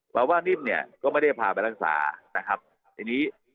เพราะว่านิ่มเนี่ยก็ไม่ได้พาไปรักษานะครับทีนี้